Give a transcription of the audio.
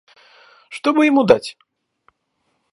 Что бы ему дать?